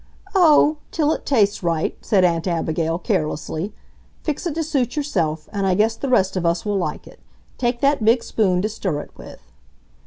"Oh, till it tastes right," said Aunt Abigail, carelessly. "Fix it to suit yourself, and I guess the rest of us will like it. Take that big spoon to stir it with."